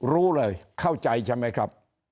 รู้เลยเข้าใจใช่ไหมครับ